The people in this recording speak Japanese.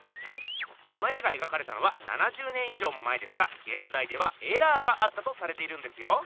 この絵が描かれたのは７０年以上も前ですがげんざいではエラーがあったとされているんですよ。